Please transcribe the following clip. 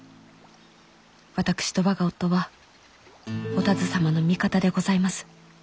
私と我が夫はお田鶴様の味方でございます。